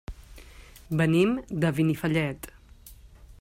Venim de Benifallet.